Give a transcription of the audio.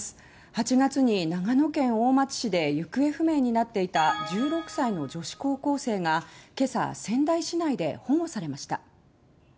８月に長野県大町市で行方不明になっていた１６歳の女子高校生がけさ仙台市内で保護されました。